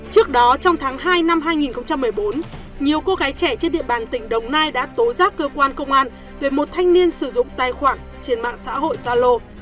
trước đó trong tháng hai năm hai nghìn một mươi bốn nhiều cô gái trẻ trên địa bàn tỉnh đồng nai đã tố giác cơ quan công an về một thanh niên sử dụng tài khoản trên mạng xã hội gia lô